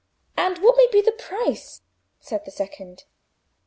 "And what may be the price?" said the second.